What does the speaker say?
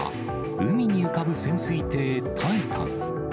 海に浮かぶ潜水艇、タイタン。